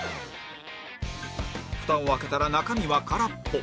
ふたを開けたら中身は空っぽ